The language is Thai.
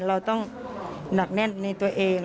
เราต้องหนักแน่นในตัวเอง